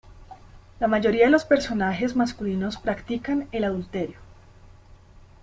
La mayoría de los personajes masculinos practican el adulterio.